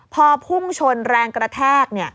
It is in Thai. พอพุ่งชนแรงกระแทก